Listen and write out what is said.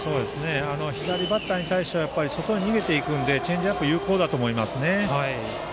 左バッターに対しては外に逃げていくのでチェンジアップが有効だと思いますね。